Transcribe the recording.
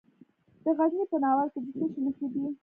د غزني په ناور کې د څه شي نښې دي؟